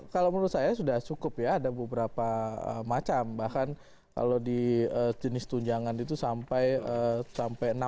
kalau menurut saya sudah cukup ya ada beberapa macam bahkan kalau di jenis tunjangan itu sampai enam